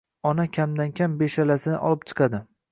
Ona kamdan-kam beshalasini olib chiqadi